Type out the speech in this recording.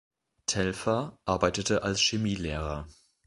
Telfer arbeitete als Chemielehrer.